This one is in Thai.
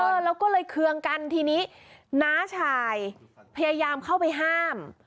เออแล้วก็เลยเคืองกันทีนี้น้าชายพยายามเข้าไปห้าม